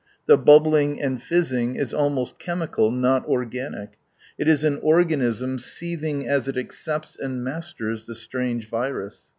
The bubbling and fizzing is almost chemical, not organic. It is an organism seething as it accepts and masters th^ strange virus.